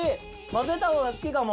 混ぜた方が好きかも。